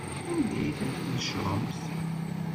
Anda ay tent-tnecṛemt?